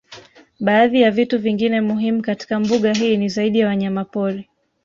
Baadhi ya vitu vingine muhimu katika mbuga hii ni zaidi ya wanyamapori